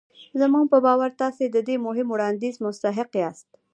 زموږ په باور تاسې د دې مهم وړانديز مستحق ياست.